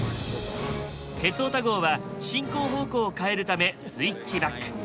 「鉄オタ号」は進行方向を変えるためスイッチバック。